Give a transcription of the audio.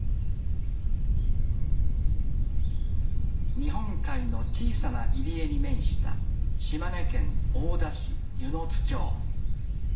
日本海の小さな入り江に面した島根県大田市温泉津町。